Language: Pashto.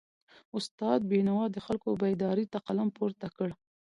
استاد بینوا د خلکو بیداری ته قلم پورته کړ.